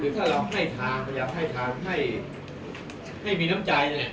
คือถ้าเราให้ทางพยายามให้ทางให้ไม่มีน้ำใจ